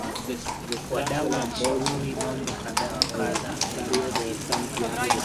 wadau walishauri mambo kadha wa kadha yazingatiwe